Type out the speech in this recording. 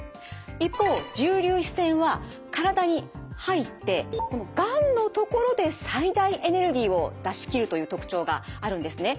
一方重粒子線は体に入ってがんの所で最大エネルギーを出し切るという特徴があるんですね。